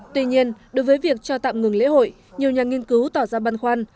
tuy nhiên đối với việc cho tạm ngừng lễ hội nhiều nhà nghiên cứu tỏ ra băn khoăn